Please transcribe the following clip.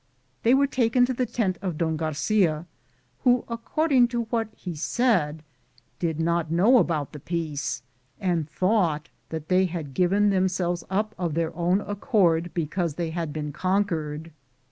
They were taken to the tent of Don Garcia, who, accord ing to what he said, did not know about the peace and thought that they had given them selves up of their own accord because they had been conquered.